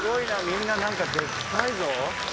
みんななんかでっかいぞ。